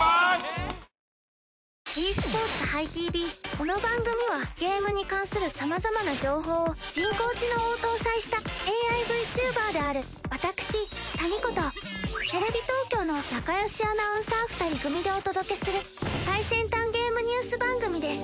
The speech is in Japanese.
この番組はゲームに関する様々な情報を人工知能を搭載したＡＩ−Ｖｔｕｂｅｒである私タミ子とテレビ東京の仲よしアナウンサー２人組でお届けする最先端ゲームニュース番組です。